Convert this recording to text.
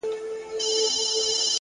مثبت فکر مثبت ژوند جوړوي